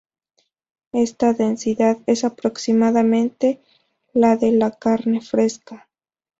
Esta densidad es aproximadamente la de la carne fresca.